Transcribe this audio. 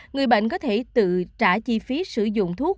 người bệnh có thể tự trả chi phí sử dụng thuốc